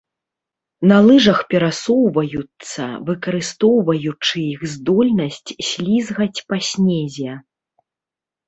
На лыжах перасоўваюцца, выкарыстоўваючы іх здольнасць слізгаць па снезе.